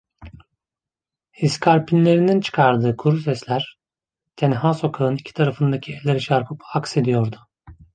İskarpinlerinin çıkardığı kuru sesler, tenha sokağın iki tarafındaki evlere çarpıp aksediyordu.